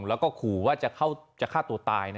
แล้วก็ขู่ว่าจะฆ่าตัวตาย